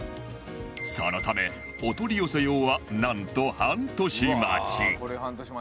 そのためお取り寄せ用はなんと半年待ち